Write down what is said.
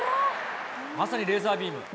まさにレーザービーム。